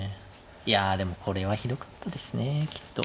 いやでもこれはひどかったですねきっと。